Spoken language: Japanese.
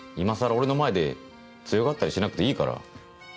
俺の前で強がったりしなくていいから。